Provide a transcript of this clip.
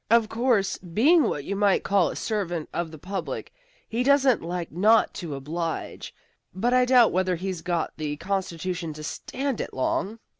Of course, being what you might call a servant of the public, he doesn't like not to oblige. But I doubt whether he's got the constitution to stand it long.